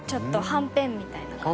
はんぺんみたいだね。